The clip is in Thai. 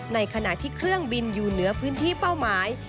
ในขณะที่เครื่องบินอยู่เหนือพื้นที่เป้าหมาย